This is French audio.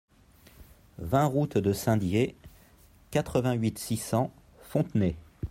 vingt route de Saint-Dié, quatre-vingt-huit, six cents, Fontenay